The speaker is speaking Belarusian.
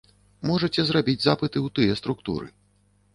Можаце зрабіць запыты ў тыя структуры.